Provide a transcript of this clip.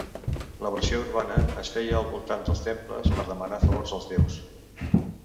La versió urbana es feia al voltant dels temples per demanar favors als déus.